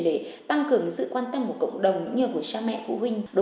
để tăng cường sự quan tâm của cộng đồng cũng như của cha mẹ phụ huynh